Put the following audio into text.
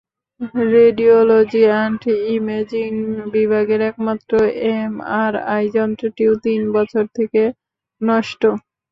Radiology and imaging বিভাগের একমাত্র MRI যন্ত্রটিও তিন বছর থেকে নষ্ট।